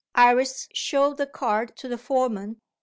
Iris showed the card to the foreman.